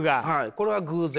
これは偶然。